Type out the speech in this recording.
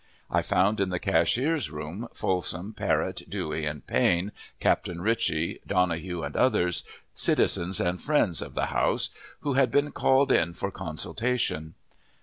I found in the cashier's room Folsom, Parrott, Dewey and Payne, Captain Ritchie, Donohue, and others, citizens and friends of the house, who had been called in for consultation.